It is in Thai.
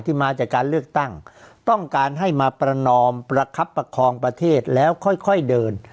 มาจากการเลือกตั้งต้องการให้มาประนอมประคับประคองประเทศแล้วค่อยเดิน